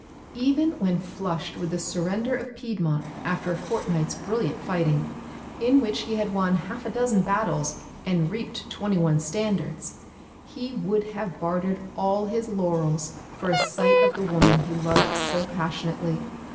Even when flushed with the surrender of Piedmont after a fortnight's brilliant fighting, in which he had won half a dozen battles and reaped twenty one standards, he would have bartered all his laurels for a sight of the woman he loved so passionately.